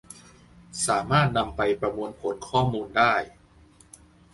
สามารถนำไปประมวลผลข้อมูลได้